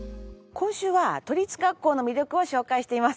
今週は都立学校の魅力を紹介しています。